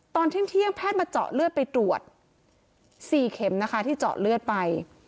ตอนเที่ยงแพทย์มาเจาะเลือดไปตรวจ๔เข็มนะคะที่เจาะเลือดไป